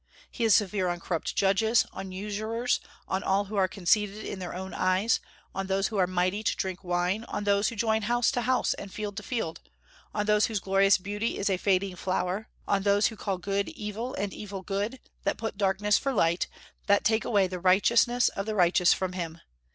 He is severe on corrupt judges, on usurers; on all who are conceited in their own eyes; on those who are mighty to drink wine; on those who join house to house and field to field; on those whose glorious beauty is a fading flower; on those who call good evil and evil good, that put darkness for light, that take away the righteousness of the righteous from him.